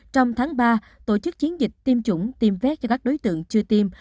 trong tháng ba tổ chức chiến dịch tiêm chủng tiêm vét cho các đối tượng chưa tiêm